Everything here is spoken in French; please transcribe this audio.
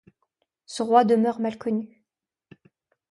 Ce roi demeure mal connu.